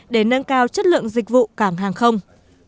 để nâng cao chất lượng dịch vụ cảng hàng không